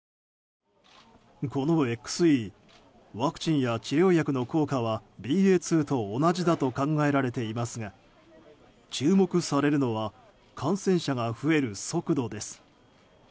このＸＥワクチンや治療薬の効果はＢＡ．２と同じだと考えられていますが注目されるのは感染者が増える速度です。